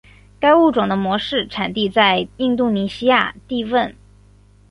该物种的模式产地在印度尼西亚帝汶。